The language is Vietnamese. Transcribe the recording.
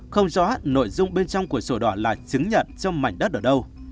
không rõ nội dung bên trong của sổ đỏ là chứng nhận trong mảnh đất ở đâu